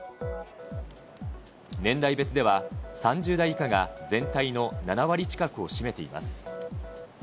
年代別では、３０代以下が全体の７割近くを占めています。